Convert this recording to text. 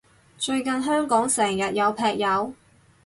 最近香港成日有劈友？